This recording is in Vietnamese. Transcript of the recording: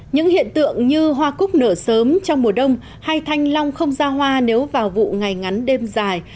những hiện tượng như hoa cúc nở sớm trong mùa đông hay thanh long không ra hoa nếu vào vụ ngày ngắn đêm dài